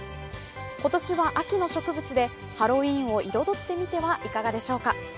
今年は秋の植物でハロウィーンを彩ってみてはいかがでしょうか